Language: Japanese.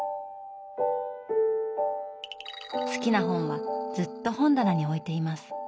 好きな本はずっと本棚に置いています。